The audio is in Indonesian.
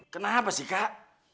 kenapa sih kak